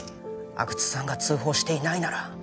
阿久津さんが通報していないなら